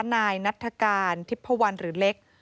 นายนรรถการทิศพะวันหรือเล็ก